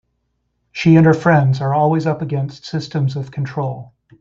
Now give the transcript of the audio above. She and her friends are always up against systems of control.